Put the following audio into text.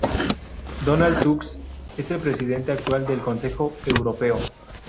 Donald Tusk es el presidente actual del Consejo Europeo.